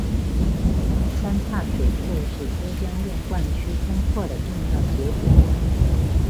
三岔水库是都江堰灌区东扩的重要节点。